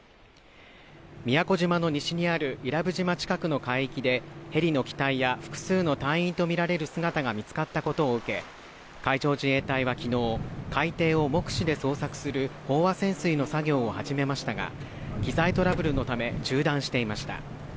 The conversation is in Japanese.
宮古島の西にある伊良部島近くの海域で、ヘリの機体や、複数の隊員とみられる姿が見つかったことを受け、海上自衛隊は昨日海底を目視で捜索する飽和潜水の作業を始めましたが、機材トラブルのため中断していました。